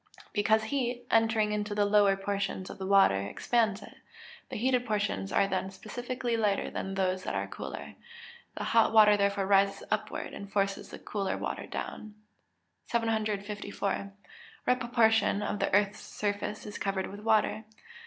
_ Because heat, entering into the lower portions of the water, expands it; the heated portions are then specifically lighter than those that are cooler; the hot water therefore rises upward, and forces the cooler water down. 754. _What proportion of the earth's surface is covered with water?